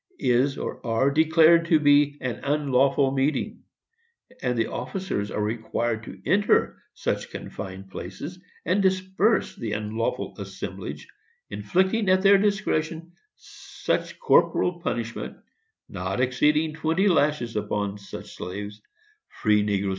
is [are] declared to be an unlawful meeting;" and the officers are required to enter such confined places, and disperse the "unlawful assemblage," inflicting, at their discretion, "such corporal punishment, not exceeding twenty lashes, upon such slaves, free negroes, &c.